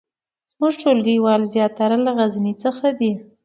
زمونږ ټولګیوال زیاتره له غزني څخه دي